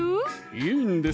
いいんです